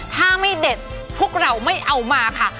ถ้าไม่เด็ดพวกเราไม่เอามาค่ะ